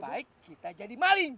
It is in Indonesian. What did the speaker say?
baik kita jadi maling